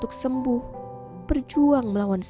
tahan juga kerja mata kamu